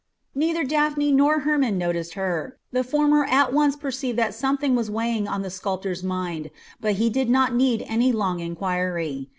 Neither Daphne nor Hermon noticed her. The former at once perceived that something was weighing on the sculptor's mind, but he did not need any long inquiry.